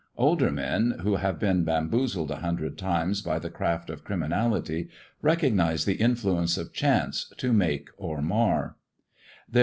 Older men, who have been Dzled a hundred times by the craft of criminality, ize the influence of Chance to make or mar.